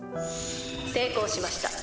成功しました。